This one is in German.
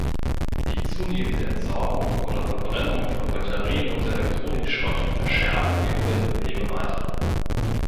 Die zunehmende Entsorgung oder Verbrennung von Batterien und Elektronikschrott verschärfen die Umweltprobleme weiter.